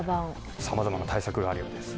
さまざまな対策があるようです。